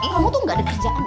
kamu tuh gak ada kerjaan